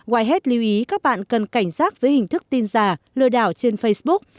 white hat lưu ý các bạn cần cảnh giác với hình thức tin già lừa đảo trên facebook